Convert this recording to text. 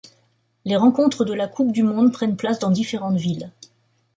Les rencontres de la Coupe du monde prennent place dans différentes villes.